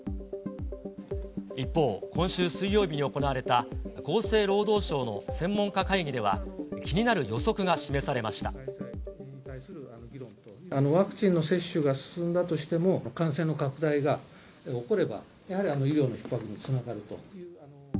一方、今週水曜日に行われた、厚生労働省の専門家会議では、気になる予ワクチンの接種が進んだとしても、感染の拡大が起これば、やはり医療のひっ迫につながると。